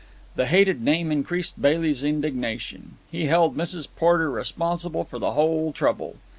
The hated name increased Bailey's indignation. He held Mrs. Porter responsible for the whole trouble.